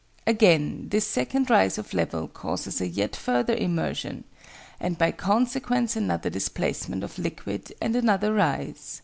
Again, this second rise of level causes a yet further immersion, and by consequence another displacement of liquid and another rise.